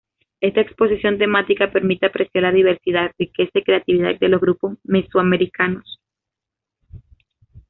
Esta exposición temática permite apreciar la diversidad, riqueza y creatividad de los grupos mesoamericanos.